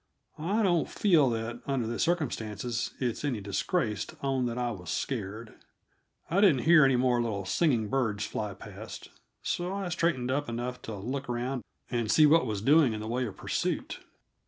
I don't feel that, under the circumstances, it's any disgrace to own that I was scared. I didn't hear any more little singing birds fly past, so I straightened up enough to look around and see what was doing in the way of pursuit.